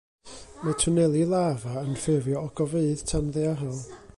Mae twneli lafa yn ffurfio ogofeydd tanddaearol.